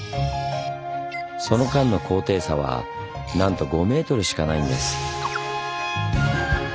その間の高低差はなんと５ｍしかないんです。